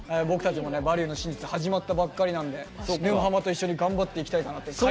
僕たちも「バリューの真実」始まったばっかりなんで「沼ハマ」と一緒に頑張っていきたいなと。